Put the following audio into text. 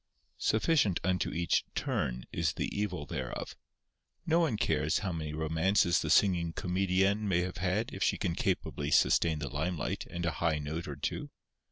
Sufficient unto each "turn" is the evil thereof. No one cares how many romances the singing comédienne may have had if she can capably sustain the limelight and a high note or two.